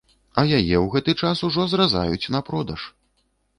А яе ў гэты час ужо зразаюць на продаж!